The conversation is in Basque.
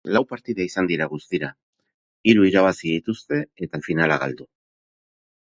Lau partida izan dira guztira, hiru irabazi dituzte, eta finala galdu.